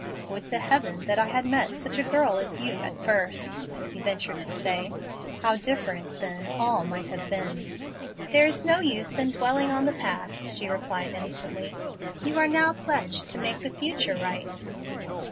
"Would to Heaven that I had met such a girl as you at first!" he ventured to say. "How different then all might have been!" "There is no use in dwelling on the past," she replied, innocently. "You are now pledged to make the future right."